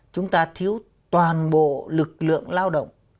và thiếu toàn bộ lực lượng lao động